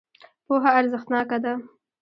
پوهه ارزښتناکه ده.